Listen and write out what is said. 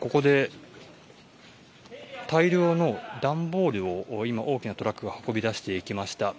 大量の段ボールを大きなトラックが運び出していきました。